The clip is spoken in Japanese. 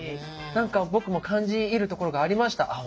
何か僕も感じ入るところがありました。